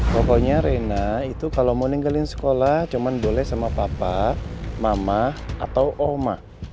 pokoknya reina itu kalau mau ninggalin sekolah cuma boleh sama papa mama atau oma